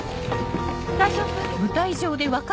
大丈夫？